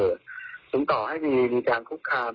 อย่าจะถึงต่อให้มีงานคุกคาม